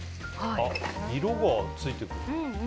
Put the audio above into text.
色がついてくる。